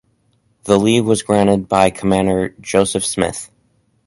The leave was granted by Commander Joseph Smith.